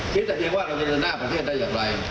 คิดแต่เพียงว่าเราจะเดินหน้าประเทศได้อย่างไร